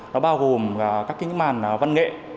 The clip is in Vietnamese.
nó bao gồm các kính bản văn nghệ